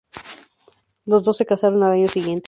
Los dos se casaron al año siguiente.